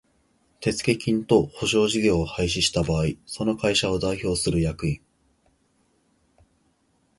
手付金等保証事業を廃止した場合その会社を代表する役員